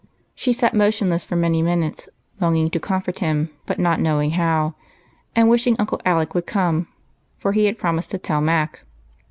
She sat motionless for many minutes, longing to comfort him, but not knowing how, and wishing Uncle Alec would come, for he had promised to tell Mac.